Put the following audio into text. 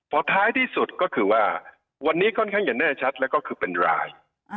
พอท้ายที่สุดก็คือว่าวันนี้ค่อนข้างจะแน่ชัดแล้วก็คือเป็นราย